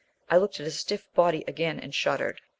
I looked at his stiff body again and shuddered.